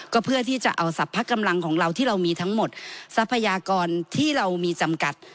ก็เพื่อที่จะเอาสรรพกำลังของเราที่เรามีทั้งหมดทรัพยากรที่เรามีจำกัด